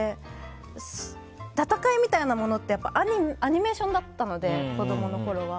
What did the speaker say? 戦いみたいなものってアニメーションだったので子供のころは。